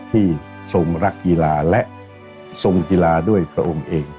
ทรงรักกีฬาและทรงกีฬาด้วยพระองค์เอง